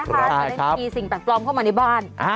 ใช่ครับใช่ครับจะได้มีสิ่งแปลกปลอมเข้ามาในบ้าน